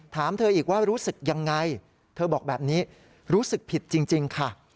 ถามเธออีกว่ารู้สึกยังไงเธอบอกแบบนี้รู้สึกผิดจริงค่ะ